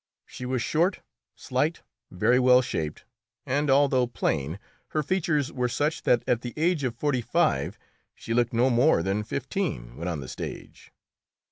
She was short, slight, very well shaped, and, although plain, her features were such that at the age of forty five she looked no more than fifteen when on the stage.